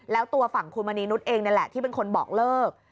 แล้วตัวฝั่งคุณมณีนุษย์เองนั่นแหละที่เป็นคนบอกเลิก